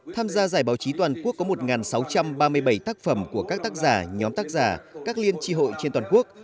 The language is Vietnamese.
tham gia giải báo chí toàn quốc có một sáu trăm ba mươi bảy tác phẩm của các tác giả nhóm tác giả các liên tri hội trên toàn quốc